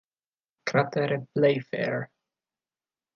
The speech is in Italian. Cratere Playfair